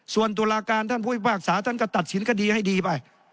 ส่วนตุลาการท่านผู้พิพากษาท่านก็ตัดสินคดีให้ดีไป